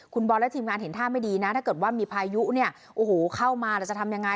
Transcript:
คุณบอลและทีมงานเห็นท่าไม่ดีนะถ้าเกิดว่ามีพายุเนี่ยโอ้โหเข้ามาแล้วจะทำยังไง